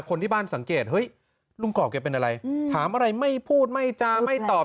คนที่บ้านสังเกตเฮ้ยลุงกอกแกเป็นอะไรถามอะไรไม่พูดไม่จาไม่ตอบ